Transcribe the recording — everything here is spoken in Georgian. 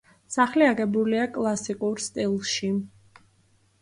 სახლი აგებულია კლასიკურ სტილში.